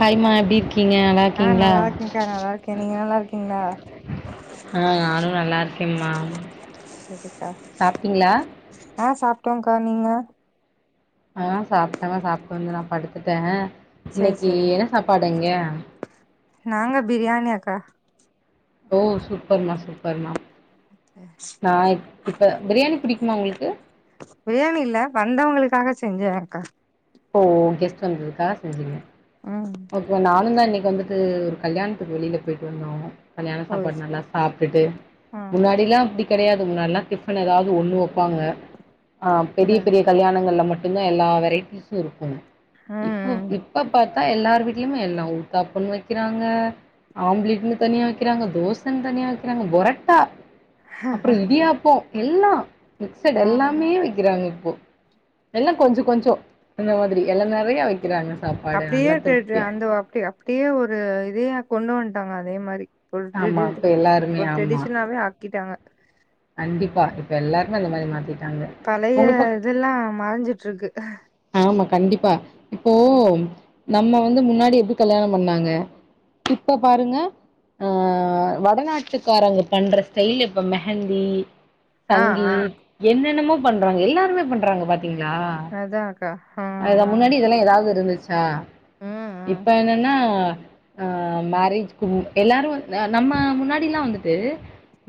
Hi மா எப்டி இருக்கீங்க நல் ஆஹ் நல்லா இருக்கேங்க்கா நல்லா இருக்கே நீங்க நல்லா இருக்கீங்களா ஆஹ் நானு நல்லா இருக்கேன்ம்மா சாப்ட்டீங்களா ஆஹ் சாப்ட்டோம்கா நீங்க ஆஹ் சாப்ட்டங்க சாப்ட்டு வந்து நா படுத்துட்டே சேரி இன்னைக்கு சேரிங்க்கா என்ன சாப்பாடு அங்க நாங்க பிரியாணி அக்கா ஓ சூப்பர்மா சூப்பர்மா அத்தாச்சி ஆ இப் இப்ப பிரியாணி பிடிக்குமா உங்களுக்கு பிரியாணி இல்ல வந்தவுங்களுக்காக செஞ்சேன் அக்கா ஓ ஓ கெஸ்ட் வந்ததுக்காக செஞ்சிங்க உம் ஓகே நானு தா இன்னைக்கு வந்துட்டு ஒரு கல்யாணத்துக்கு வெளியில போயிட்டு வந்தோ கல்யாண சாப்பாடு போச்சு நல்லா சாப்ட்டுட்டு முன்னாடில்லா அப்டி கிடையாது முன்னாடிலா டிஃபன் ஏதாவது ஒண்ணு வப்பாங்க ஆஹ் பெரிய அதா பெரிய கல்யாணங்கள்ல மட்டும்தா எல்லா வெரைட்டிஸும் இருக்கும் இப்ப ம் இப்ப பாத்தி எல்லார் வீட்லயுமே எல்லா ஊத்தாப்பம்ன் வைக்கிறாங்க ஆம்லேட்ன்னு தனியா வைக்கிறாங்க தோசன் தனியா வைக்கிறாங்க பொரட்டா அப்புறம் இடியாப்பம் எல்லா மிக்சட் ம் எல்லாமே வை க்கிறாங்க இப்போ எல்லாம் கொஞ்சம் கொஞ்சம் அந்த மாதிரி எல நிறைய வைக்கிறாங்க சாப் அப்டியே தெரிது அந்த அப்டி அப்டியே ஒரு இதையா கொண்டு வந்ட்டாங்க அதே மாரி ஒரு ஆமா ட்ரெடி இப்ப எல்லாருமே ஒரு ஆமா ட்ரெடிஷனாவே ஆக்கிட்டாங்க கண்டிப்பா இப்ப எல்லாருமே அந்த மாரி மாத்திட்டாங்க பழைய உங்க பக் இதெல்லா மறஞ்சிட்டு இருக்கு ஆமா கண்டிப்பா இப்போ நம்ம வந்து முன்னாடி எப்டி கல்யாணம் பண்ணாங்க இப்ப பாருங்க ஆஹ் வடநாட்டுக்காரங்க பண்ற ஸ்டைல் இப்ப மெஹந்தி ஆ ஆ சங்கீத் என்னென்னமோ பண்றாங்க எல்லாருமே பண்றாங்க பாத்தீங்களா அதான்க்கா ஹ அதா முன்னாடி இதெல்லா ஏதாவது இருந்துச்சா இப்ப ம் என்னன்னா அஹ் மேரேஜ்கு எல்லாரும் நம்ம முன்னாடில்லா வந்துட்டு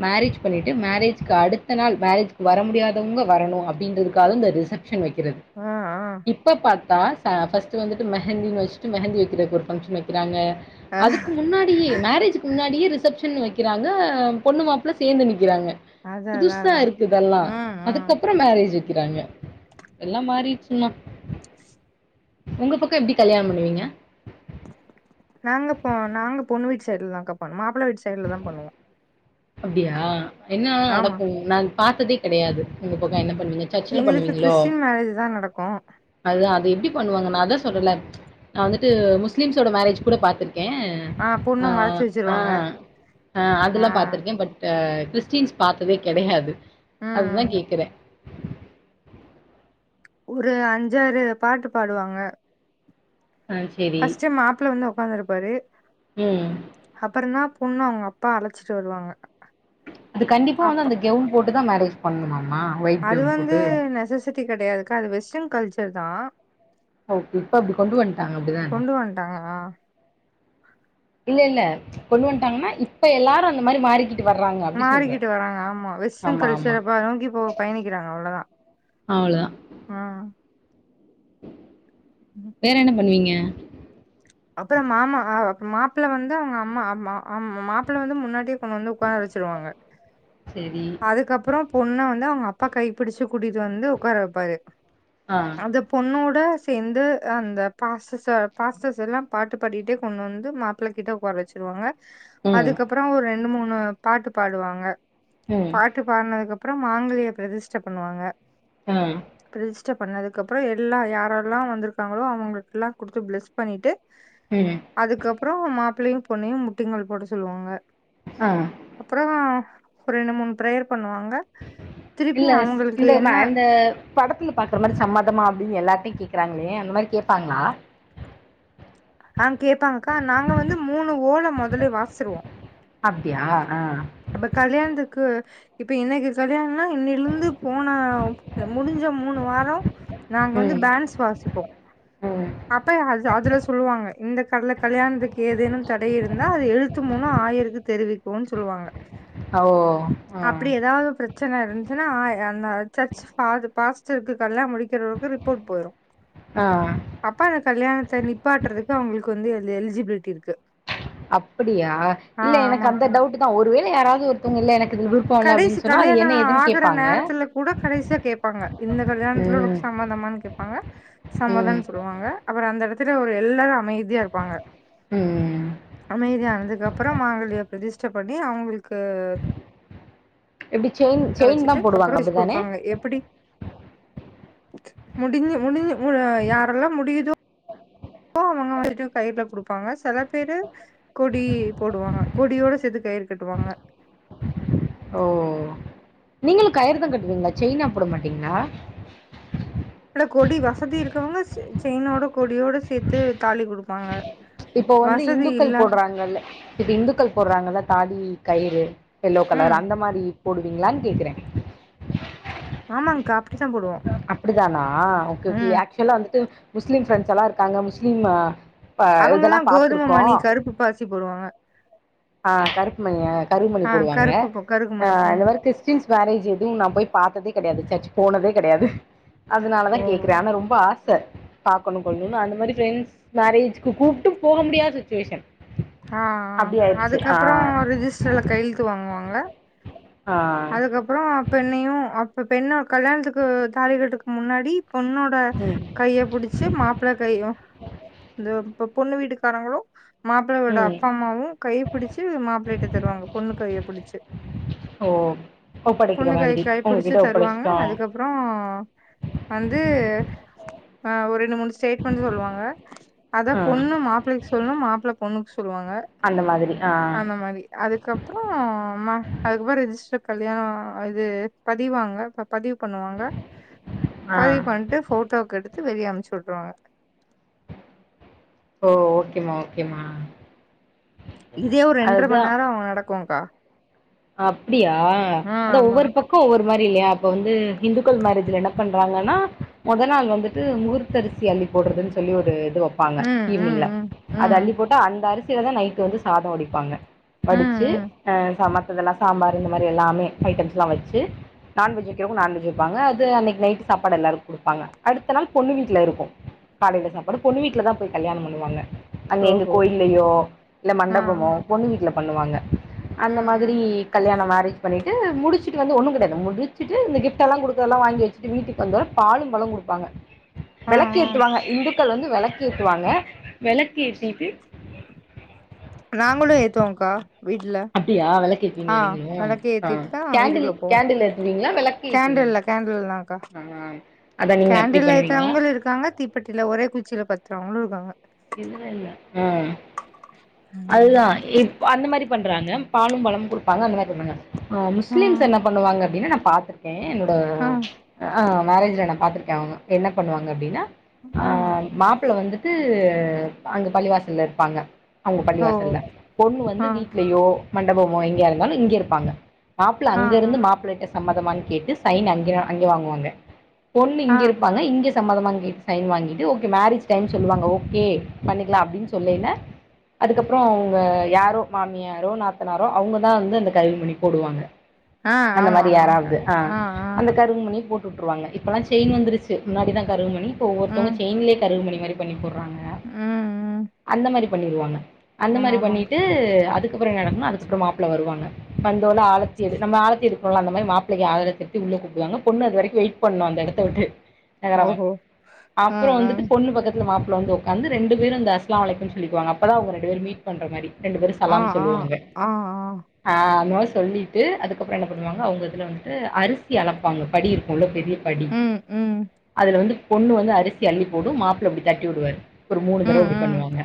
மேரேஜ் பண்ணிட்டு மேரேஜ்க்கு அடுத்த நாள் மேரேஜ்க்கு வர முடியாதவுங்க வரணு அப்படின்றதுக்காக இந்த ரிசப் ஷன் வைக்கிறது ஆஹ் ஆஹ் இப்ப பாத்தா ச ஃபர்ஸ்ட் வந்துட்டு மெஹந்தின் வச்சுட்டு மெஹந்தி வைக்கிறதுக்கு ஒரு ஃபங்க்ஷன் வைக்கிறாங்க அதுக்கு முன்னாடியே ஆ மேரேஜ்க்கு முன்னாடியே ரிசப்ஷன் வைக்கிறாங்க பொண்ணு மாப்ள் சேர்ந்து நிக்கிறாங்க அதா அதா புதுசா அதா இருக்கு இதெல்லா ம் ம் அதுக்கப்புறம் மேரேஜ் வைக்கிறாங்க எல்லாம் மாறிச்சு ன்னா உங்க பக்கம் எப்டி கல்யாணம் பண்ணுவீங்க நாங்க போ நாங்க பொண்ணு வீட்டு சைடுல தா ன்க்கா பண் மாப்ள வீட்டு சைடுல தா பண்ணுவோ அப்டியா என்னதா ஆமா நடக்கும் நா பாத்ததே கிடையாது உங்க பக்கம் என்ன பண்ணுவீங்க சர்ச்சில் எங்களுக்கு கிறிஸ்டின் மேரேஜ் தான் நடக்கும் அதா அது எப்டி பண்ணுவாங்க நா தான் சொல்றல நா வந்துட்டு முஸ்லீம்ஸோட மேரேஜ் கூட பாத்திருக்கே ஆ பொண்ண மறைச்சு ஆஹ் வச்சிருவாங்க ஆஹ் அ ஆ அதெல்லா பாத்திருக்கே பட் அ கிறிஸ்டின்ஸ் பாத்ததே கெடையாது ம் அதுதா ம் கேக்குறே ஒரு அஞ்சாரு பாட்டு பாடுவாங்க ஆ சேரி ஃபஸ்ட்டு மாப்பிள வந்து ஒக்காந்துருப்பாரு ம் அப்பறோனா பொண்ண அவுங்க அப்பா அழச்சிட்டு வருவாங்க அது கண்டிப்பா வந்து அப்ப அந்த கெவுன் போட்டுதா மேரேஜ் பண்ணணுமாமா ஒயிட் அது கெவுன் வந்து போட்டு நெசசிட்டி கெடையாதுக்கா அது வெஸ்டன் கல்ச்சர் தா ஓ இப்ப அப்டி கொண்டு வந்ட்டாங்க அப்டிதான கொண்டு வந்ட்டாங்க ஆ இல்ல இல்ல கொண்டு வந்ட்டாங்கனா இப்ப எல்லாரு அந்த மாதிரி மாறிக்கிட் டு வர்றாங்க அப்டி சொல்றே மாறிகிட்டு வராங்க ஆமா வெஸ்டர்ன் ஆமா ஆமா கல்ச்சரப் பா நோக்கி போ பயணிக்கிறாங்க அவ்ளோதா அவ்ளோதா ஆஹ் ம் ஹும் வேற என்ன பண்ணுவீங்க அப்பறோ மாமா அ அப்ப மாப்பிள்ள வந்து அவுங்க அம்மா அம்மா ஆ மாப்பிள்ள வந்து முன்னாடியே கொண்டு வந்து உட்கார வச்சிருவாங்க சேரி அதுக்கப்பறோ பொண்ண வந்து அவுங்க அப்பா கைப்பிடிச்சு கூட்டிட்டு வந்து உட்கார வப்பாரு ஆஹ் அந்த பொண்ணோட சேந்து அந்த பாஸிஸ்ஸ பாஸ்ஸஸ் இதெல்லா பாட்டு பாடிட்டே கொண்டு வந்து மாப்பிள கிட்ட உட்கார வச்சிருவாங்க ம் அதுக்கப் ப்பறோ ஒரு ரெண்டு மூணு பாட்டு பாடுவாங்க ம் பாட்டு பாடுனதுக்கு அப்பறோ மாங்கல்ய பிரதிஷ்ட பண்ணுவாங்க ம் ப்ரெதிஷ்ட பண்ணதுக்கப்பறோ எல்லா யாரெல்லா வந்துருக்காங்களோ அவுங்களுக்கு எல்லா குடுத்து பிளஸ் பண்ணிட்டு ம் அதுக்கப்பறோ மாப்பிள்ளயு பொண்ணயு முட்டிங்கோள் போட சொல்லுவாங்க ஆஹ் அப்பறோ, ஒரு ரெண்டு மூணு பிரேயர் பண்ணுவாங்க திருப்பி இல்ல அவங்களுக்கு இந்தமா என்ன அந்த படத்துல பாக்குற மாரி சம்மதமா அப்டினு எல்லாட்டயு கேக்குறாங்களே அந்த மாதிரி கேப்பாங்களா ஆஹ் கேப்பாங்கக்கா நாங்க வந்து மூணு ஓல மொதலே வாச்சிருவோ அப்டியா ஆஹ் பட் கல்யாணத்துக்கு இப்ப இன்னைக்கி கல்யாணனா இன்னிலிருந்து போன இல்ல முடிஞ்ச மூணு வாரோ நாங்க வந்து பேன்ஸ் வாசிப்போ. ஓ அப்போ அது அதில சொல்லுவாங்க இந்த கல்லா கல்யாணத்துக்கு ஏதேனு தடை இருந்தா அத எழுத்து மூலோ ஆயிருக்கு தெரிவிக்கோனு சொல்லுவாங்க ஓ ஆ அப்டி ஏதாவது ப்ரெச்சன இருந்துச்சுன்னா ஆய அந்த சர்ஸ்சு பாது பாஸ்டர்க்கு கல்யாண முடிக்கிறவர்க்கு ரிப்போர்ட் போயிரு ஆஹ் அப்ப அந்த கல்யாணத்த நிப்பாட்டுறதுக்கு அவுங்களுக்கு வந்து அதுல எலிஜிபிலிட்டி இருக்கு அப்டியா ஆ இல்ல எனக்கு அந்த ஆமாக்கா டவுட் தா ஒருவேள யாராவது ஒருத்தவுங்க இல்ல எனக்கு விரு கடைசி கல்யாண ஆகுற நேரத்துல கூட கடைசியா கேட்பாங்க இந்த கல்யாணத்துல ம் உனக்கு சம்மதமானு கேப் பாங்க ம் சம்மதம்னு சொல்லுவாங்க அப்பறோ அந்த எடத்துல ஒரு எல்லாரு அமைதியா இருப்பாங்க ம் அமைதியானதுக்கு அப்பறோ மாங்கல்ய பிரதிஷ்ட பண்ணி அவுங்களுக்கு எப்டி செயின் செயின் தா இதவெச்சிட்டு போடுவாங்க அப்றோ [unintelligible] அப்டிதானே குடுப்பாங்க எப்டி முடிஞ்சு முடிஞ்சு முனு யாரெல்லா முடியுதோ ப்போ அவங்க வந்துட்டு கைல குடுப்பாங்க செல பேரு கொடி போடுவாங்க கொடியோட சேத்து கயிர் கட்டுவாங்க ஓ நீங்களு கயிறுதா கட்டுவீங்ளா செயினா போட மாட்டீங்ளா இல்ல கொடி வசதி இருக்கரவங்க செயினோட கொடியோட சேத்து தாலி குடுப்பாங்க இப்போ வந்து வசதி இந்துக்கள் இல்லா போட்றாங்கல்ல இப்ப இந்துக்கள் போட்றாங்கலல தாலி கயிறு எல்லோ ம் கலர் அந்த மாரி போடுவீங்ளானு கேக்குற ஆமாங்க்கா அப்டித்தா போடுவோ அப்டிதானா ஓகே ஓகே ம் ஆக்சுலா வந்துட்டு முஸ்லீம் ஃப்ரெண்ட்ஸ் எல்லா இருக்காங்க முஸ்லிம் அ இப்ப இதெல்லா அவங்கல்லா கோதும பாத்திருக்கோ மணி கருப்பு பாசி போடுவாங்க அ கருப்பு மணி அ கருக மணி ஆ போடுவாங்க கருப்பு ப கருப்பு அ மணி இந்த ம் மாரி கிறிஸ்டீன் மேரேஜ் எதுவு நா போய் பாத்ததே கெடயாது சர்ச் போனதே கெடயாது அதனால ஓ தான கேக்குறே ஆனா ரொம்ப ஆச ச பாக்கணு தோணு அந்த மாரி ஃப்ரெண்ட்ஸ் மேரேஜ்க்கு கூப்பிட்டு போக முடியாத சுச்சுவேஷன் ஆ ஆ அப்டியா அதுக்கப்றோ ரிஜிஸ்டர்ல கையெழுத்து வாங்குவாங்க ஆ அதுக்கப் அப்றோ பெண்ணையு அப்போ பெண்ண கல்யாணத்துக்கு தாலி கட்டுறதுக்கு முன்னாடி பொண்ணோட ம் கைய பிடிச்சு மாப்பிள கையு இந்த பொண்ணு வீட்டுக்கு காறங்களு மாள்ளையோட ம் அப்பா அம்மாவு கைய பிடிச்சு மாப்பிள்ள கிட்ட தருவாங்க பொண்ணு கைய பிடிச்சு ஓ ஒப்படைக்கிற பொண்ணு கை மாதிரி கைய புடிச்சி உங்ககிட்ட தருவாங்க ஒப்படைச்சிட்டோ அதுக்கப் ப்றோ வந்து அ ஒரு ரெண்டு மூணு ஸ்டேட்மெண்ட் சொல்வாங்க அத ஆ பொண்ணு மாப்ளிக்கு சொல்ணு மாப்ள பொண்ணுக்கு சொல்வாங்க அந்த மாதிரி ஆ அந்த மாரி அதுக்கப்றோ ம அதுக்கப்றோ ரிஜிஸ்டர் கல்யாணோ அது பதிவாங்க பதிவு பண்ணுவாங்க ஆ பதிவு பண்ணிட்டு ஃபோட்டோக் எடுத்து வெளிய அமிச்சுவுட்ருவாங்க ஓ ஓகேம்மா ஓகேம்மா இதே ஒரு ரெண்டர மணி நேரோ நடக்குங்க்கா அப்டியா ஆ அத ஆமா ஒவ்வொரு பக் க்கு ஒவ்வொரு மாரி இல்லியா அப்ப வந்து இந்துக்கள் மேரெஜ்ல என்ன பண்றாங்கன்னா மொத நாள் வந்துட்டு முகூர் த்தரிசி அள்ளி போட்றதுன்னு சொல்லி ஒரு இது வெப் ப்பாங்க ம் ம் ஈவ்னிங்ல ம் அது ம் அள்ளி போட்ட அந்த அரிசிலதா நைட் வந்து சாதோ வடிப்பாங்க ம் வடிச்சி ம் அ மத்ததெல்லா சாம்பார் இந்த மாரி எல்லாமே ஐட்டம்ஸ் எல்லா வெச்சு நான்வெஜ் வெக்கிறவங்க நான்வெஜ் வெப்பாங்க அது அன்னிக்கு நைட்டு சாப்பாடு எல்லார்க்கு குடுப்பாங்க அடுத்த நாள் பொண்ணு வீட்ல இருக்கு காலில சாப்பாடு பொண்ணு வீட்லதா போய் கல்யாணோ பண்ணுவாங்க அங்க எங்க ஓஹோ கோயிலயோ இல்ல ஆ மண்டபமோ பொண்ணு வீட்ல பண்ணுவாங்க ம் ம் [unintelligible] கல்யாணோ மாரி பண்ணிட்டு முடிச்சிட்டு வந்து ஒன்னு கெடயது முடிச்சிட்டு இந்த கிஃப்டெல்லா குடுக்கறதெல்லா வாங்கி வெச்சிட்டு வீட்டுக்கு வந்த பாலும் பழமு குடுப் பாங்க ஆ ஆ வெளக்கேத்துவாங்க இந்துக்கள் வந்து வெளக்கேத்துவாங்க வெளக்கேத்திட்டு நாங்களு ஏத்துவோங்க்கா வீட்ல அப்டியா அ விளக்கேத்துவீங்களா நீங்களு வெளக்கு ஆ ஏத்திட்டுதா கேண்டில் வீட்டுக்குள்ள போவோ கேண்டில் ஏத்துவீங்களா விளக்கு ஏத்துவீங்களா கேண்டில்ல கேண்டில்லதாங்க்கா ஆ அதா நீங்க அப்டி கேண்டில்ல பண்ணுவீங்க ஏத்தரவங்களு இருக்காங்க தீ தீப்பொட்டில ஒரே குச்சில பத்றவங்களு இருக்காங்க இதுல இல்ல ம் அதுதா இப் அந்த மாரி பண்றாங்க பாலு பழமு குடுப்பாங்க அந்த மாரி பண்ணுவங்க அ முஸ்லீம்ஸ் ம் என்ன பண்ணுவாங்க அப்டின்னா நா பாத்ருக்க கே என்னோட ஆ ஆ மேரேஜ்ல நா பாத்ருக்கே அவுங்க என்ன பண்ணுவாங்க அப்டின்னா அ ஆ மாப்ள வந்துட்டு அங்க பள்ளிவாசல்ல இருப்பாங்க அவ்ங்க ஓ பள்ளிவாசல்ல பொண்ணு வந்து ஆ வீட்லயோ மண்டபமோ எங்கேயா இருந்தாலு இங்கே இருப்பாங்க மாப்ள ஆ அங்க ஆ இருந்து மாப்ளைட்ட சம்மதமான்னு கேட்டு சைன் அங்கிற அங்கே வாங்குவாங்க பொண்ணு ஆ இங்கே இருப்பாங்க இங்க சம்மதமானு கேட்டு சைன் வாங்கிட்டு ஓகே மேரேஜ் டைம் சொல்வாங்க ஓ கே பண்ணிக்கலா அப்டின் சொல்லேல அதுக்கப்பறோ அவ்ங்க யாரோ மாமியாரோ நாத்தனாரோ அவ்ங்கதா வந்து அந்த கருகுமணி போடுவாங்க ஆ அந்த ஆமா மாரி ஆமாக்கா யாராவது அ ஆ ஆ அந்த கருகுமணி போட்டுட்டுருவாங்க இப்பெல்லா செயின் வந்திருச்சு முன்னாடிதா கருகுமணி இப்ப ஒவ்வொர்த்தவங்க ம் செயின்லே கருகுமணி மாரி வாங்க ம் ம் அந்த மாரி பண்ணிருவாங்க அந்த ஆமா மாரி ஆமாங்க பண்ணிட்டு அதுக் கப்றோ என்ன நடக்கும்னா அதுக்கப்பறோ மாப்ள வருவாங்க வந்தோனே ஆழத்தி எடுக் நம்ம ஆழத்தி எடுக்குறோல்ல அந்த மாரி மாப்ளைக்கு ஆரத் எடுத்துட்டு உள்ள கூப்டுவாங்க பொண்ணு அது வரைக்கு வெயிட் பண்ணு அந்த எடத்த விட்டு நகராம ஓஹோ ஆ அப்புறோ ஆ வந்துட்டு பொண்ணு பக்கத் துல மாப்ள வந்து உக்காந்து ரெண்டு பேரு அந்த அஸ்ஸலாமலைக்கும் சொல்லிக்குவாங்க அப்பதா அவ்ங்க ரெண்டு பேர் மீட் பண்ற மாரி ரெண்டு பேரு ஆ சலாம் ஆ சொல்லுவாங்க ஆ ஆ ஆ அந்த மாரி சொல்லிட்டு அதுக்கப்பறோ என்ன பண்ணுவாங்க அவங்க இதுல வந்துட்டு அரிசி அளப்பாங்க படி இருக்கூல்ல பெரிய படி ம் ம் அதுல வந்து பொண்ணு வந்து அரிசி அள்ளி போடும் மாப்ள அப்டி தட்டி வுடுவாரு ஒரு மூணு தடவ ம் இப்டி ம் பண்ணுவாங்க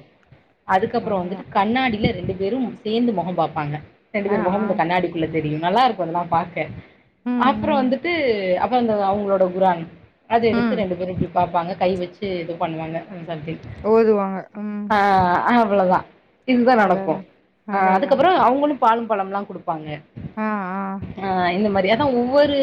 அதுக்கப்புறொ அவ்ளோதா வந்துட்டு கண்ணாடியில ரெண்டு பேரு சேந்து மொகம் பாப்பாங்க ரெண்டு ஆ பேர் ஆ மொகமு இந்த கண்ணாடிக்குள்ள தெரியு நல்லா இருக்கு அதெல்லா பாக்க ம் அப்றோ ம் வந்துட்டு அப் ந்த அவங்களோட குரான் அத எடுத்து ம் ரெண்டு பேரு இப்டி பாப்பாங்க கை வச்சு இது பண்ணுவாங்க அந்த சப்ஜெக்ட் ஓதுவாங்க ம் ஆ அவ்வளோதா இதுதா அதா நடக்கு அதா அ அதா அதுக்கப்பறோ அதான்க்கா அவங்களு பாலும் பழம்லா குடுப் பாங்க ஆ ஆ அ இந்த மாரியா ந்த ஒவ்வொரு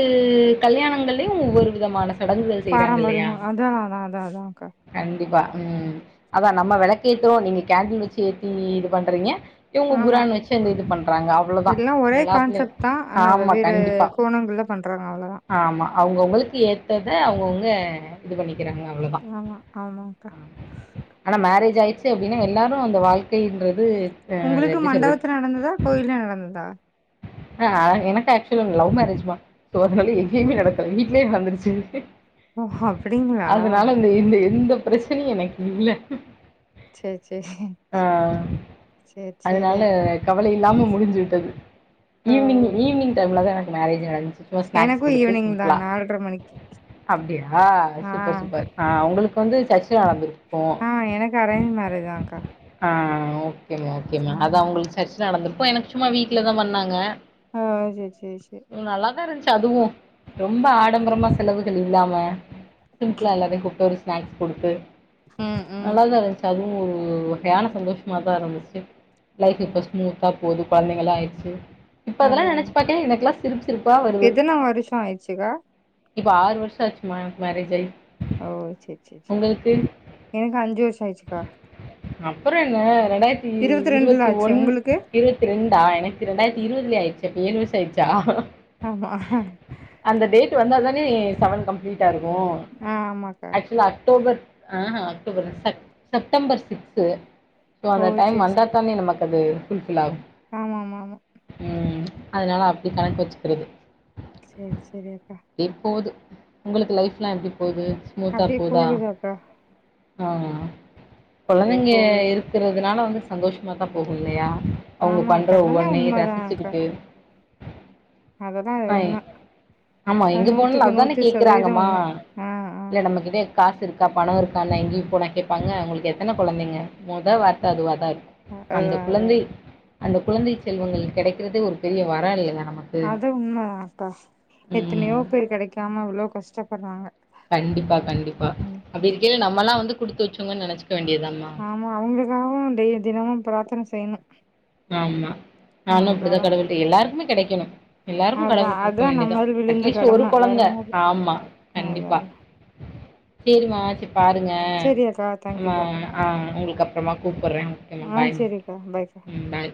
கல்யாணங்களையு ஒவ்வொரு விதமான சடங்குகள் செய்றாங்க இல்லையா பாரம்பரியமா அதா அதா அதா அதாக்கா கண்டிப்பா ம் அதா நம்ம வெளக்கேத்துறோ நீங்க கேன்டில் வச்சு ஏத்தி இது பண்றீங்க இவ்ங்க ஆமா. குரான் வச்சு அந்த இது பண்றாங்க அவ்ளோதா எல்லாம் ஒரே எல்லாத்துலயு ஆமா கண்டிப்பா போனங்கள்ல பண்றாங்க அவ்ளோதா அவ்ங்கவுங்களுக்கு ஏத்தத அவ்ங்கவுங்க இது பண்ணிக்கிறாங்க அவ்ளோ ஆமா ஆமாக்கா ஆனா மேரேஜ் ஆயிடுச்சு அப்டின்னா எல்லாரு அந்த வாழ்க்கைன்றது அ அது உங்குளுக்கு எப்டி சொல்றது மண்டவத்துல நடந்ததா கோயில நடந்ததா ஆ எனக்கு ஆக்சுவல் லவ் மேரேஜ்மா சோ அதனால எங்கேயுமே நடக்கல வீட்லயே நடந்துருச்சு ஓ அப்டிங்களா ந்த எந்த எந்த பிரச்சனையு எனக்கு இல்ல செர் செரி ஆ செர் செரி அதனால அக்கா கவலை இல்லாம முடிஞ்சு விட்டது ஓ! ஈவினிங் ஈவினிங் டைம்லதா எனக்கு மேரேஜ் நடந்துச்சு சுமா ஸ்நாக்ஸ் எனக்கும் குடுத்து ஈவினிங் சிம்பிளா தான் மணிக்கு. அப்டியா ஆ, சூப்பர் சூப்பர் ஆ உங்களுக்கு வந்து சர்ச்சில நடந்துருக்கு ஆ எனக்கு அரேஞ் மேரேஜ்தாக்கா ஆ ஓகேமா ஓகேமா அதா உங்களுக்கு சர்ச்ல நடந்திருக்கு எனக்கு சும்மா வீட்லதா பண்ணாங்க ஓ செர் செரி செரி நல்லாதா இருந்துச்சு அதுவு ரொம்ப ஆடம்பரமா செலவுகள் இல்லாம சிம்பிளா எல்லாத்தையு கூப்ட்டு ஒரு ஸ்நாக்ஸ் குடுத்து ம், ம். நல்லாதா இருந்ச் அதுவு ஒரு வகையான சந்தோஷமாதா இருந்துச்சு லைஃப் சரி. இப்ப ஸ்மூத்தா போது கொழந்தைங்களா ஆயிச்சு இப்ப அதெல்லா அதான், நெனச்ச அதான். பாக்கைல எனக்குலா ச சிரிப் சிரிப்பா வருது எத்தன வருஷம் ஆயிடுச்சுக்கா? இப்ப ஆறு வருஷொ ஆச்சுமா எனக்கு மேரேஜ் ஆயி ஓ செர் செர் செர் எனக்கு அஞ்சு வருஷொ ஆயிச்சுக்கா அப்பறோ என்ன ரெண்டாயிரத்தி ரெண்டுல இருவத்தி ஆச்சு ஒன் உங்களுக்கு இருவத் தி ரெண்டா எனக்கு ரெண்டாயிரத்தி இருவதுலேய ஆயிடுச்சு அப்ப ஏழு வருசோ ஆயிடுச்சா ஆமா அந்த டேட் வந்த தானே செவன் கம்ப்ளீடா இருக்கு ஆ ஆமாக்கா ஆக்ஸ்வலா அக்டோபர் ஆஹ அக்டோபர் செப் செப்டம்பர் சிக்ஸ் சோ ஓ அந்த டைம் சேரி வந்தா சேரி தானே நமக்கு அது ஃபுல்ஃபில் ஆகு ஆமா ஆமா ஆமா ம் அதனால அப்டி கணக்கு வச்சுக்கிறது செரி செரி அக்கா அப்டி போது, உங்களுக்கு லைஃப்லா எப்டி போது ஸ்மூத்தா அப்டியே போதா போகுது அக்கா ஆ அப்டியே கொழந்தைங்க போகுது இருக்கிறதுனால வந்து சந்தோஷமாதா போகு இல்லையா அவங்க ஆமா பண்ற அக்கா அதெல்லா ஒவ்வொன்னையு உண்மதா ரசிச்சுக்கிட்டு அததா அது ஆ உண்ம ஆமா அ எங்க போனாலு நூத்துக்கு அததான நூத்து சதவீதோ கேக்குறாங்கமா உண்ம ஆ ஆ இல்ல நம்மகிட்ட காசு இருக்கா பணம் இருக்கான்னா எங்கயு போனா கேட்பாங்க உங்களுக்கு எத்தன கொழந்தைங்க மொத வார்த்த அதுவா தா இருக்கு அதா அந்த அதா குழந்தை அந்த குழந்தை செல்வங்கள் கிடைக்கறதே ஒரு பெரிய வரம் இல்லயா நமக்கு அது உண்மதாக்கா எத்தனையோ ம் பேர் கெடைக்காம அவ்ளோ கஷ்டப்பட்றாங்க கண்டிப்பா கண்டிப்பா அப்டி இருக்கயில நம்மல்லா வந்து குடுத்து வச்சவங்கன்னு நெனைச்சிக்க வேண்டியதாம்மா ஆமா அவங்களுக்காகவு டெய் தினமு பிரார்த்தன செய்யணு ஆமா நானு அப்டிதா அவ்ளோதா கடவுள்ட்ட எல்லாருக்குமே கெடைக்கணு எல்லாருக்கு அதா கடவுள் குடுக்க அதா வேண்டிதா நம்ம விழுந்த அட்லீஸ்ட் ஒரு கடம வேற கொழந்த ஒன்னு இல்ல ஆமா அதா கண்டிப்பா அதா சேரிம்மா சேரி பாருங்க சேரி அக்கா நம்ம தேங்க்யூக்கா ஆ உங்களுக்கு அப்பறமா கூப்பட்ற ஆ சேரிக்கா பாய் ம் பாய்